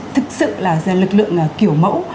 thực sự là lực lượng kiểu mẫu